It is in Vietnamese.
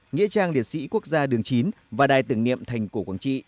nghĩa trang liệt sĩ quốc gia đường chín và đài tưởng niệm thành cổ quảng trị